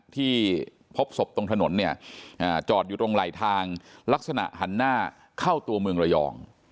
ที่พบศพตรงถนนเนี่ยจอดอยู่ตรงไหลทางลักษณะหันหน้าเข้าตัวเมืองระยอง